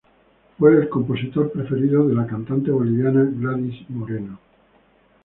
Fue el compositor preferido de la cantante boliviana Gladys Moreno.